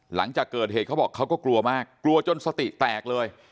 หลังจากเกิดเหตุเขาบอกเขาก็กลัวมากกลัวจนสติแตกเลย